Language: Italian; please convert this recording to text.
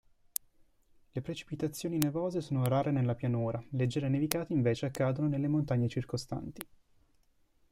Le precipitazioni nevose sono rare nella pianura, leggere nevicate invece accadono nelle montagne circostanti.